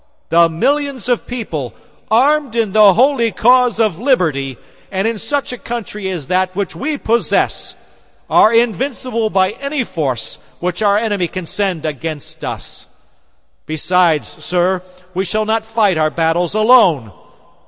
The millions of people, armed in the holy cause of liberty, and in such a country as that which we possess, are invincible by any force which our enemy can send against us. Besides, sir, we shall not fight our battles alone.